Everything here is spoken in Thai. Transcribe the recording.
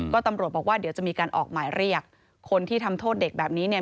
ก็ตำรวจบอกว่าเดี๋ยวจะมีการออกหมายเรียกคนที่ทำโทษเด็กแบบนี้เนี่ย